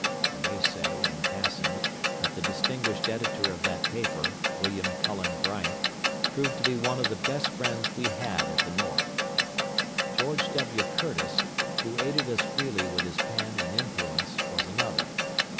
I may say, in passing, that the distinguished editor of that paper, William Cullen Bryant, proved to be one of the best friends we had at the North. George W. Curtis, who aided us freely with his pen and influence, was another.